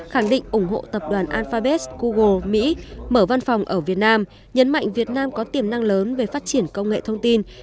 khẳng định ủng hộ tập đoàn alphabet google mỹ mở văn phòng ở việt nam nhấn mạnh việt nam có tiềm năng lớn về phát triển công nghệ thông tin